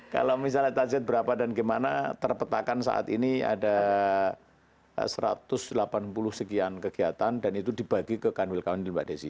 kalau misalnya target berapa dan gimana terpetakan saat ini ada satu ratus delapan puluh sekian kegiatan dan itu dibagi ke kanwil kanwil mbak desi